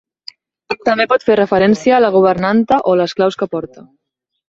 També pot fer referència a la governanta o les claus que porta.